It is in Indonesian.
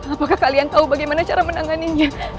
apakah kalian tahu bagaimana cara menanganinya